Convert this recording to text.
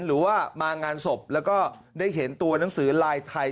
หรือว่ามางานศพแล้วก็ได้เห็นตัวหนังสือลายไทย